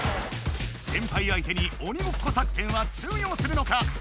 先輩相手に鬼ごっこ作戦は通用するのか？